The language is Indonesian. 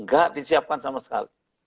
gak disiapkan sama sekali